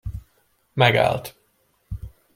Megállt.